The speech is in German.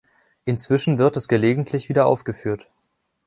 Inzwischen wird es gelegentlich wieder aufgeführt.